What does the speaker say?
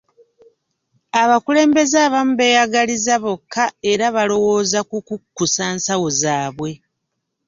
Abakulembeze abamu beeyagaliza bokka era balowooza ku kukkusa nsawo zaabwe.